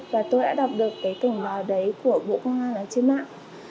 và tôi đã đọc được cái cổng bào đấy của bộ công an ở trên mạng